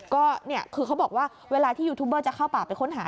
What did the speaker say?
ก็คือเขาบอกว่าเวลาที่ยูทูบเบอร์จะเข้าป่าไปค้นหา